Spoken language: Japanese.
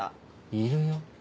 いるよ。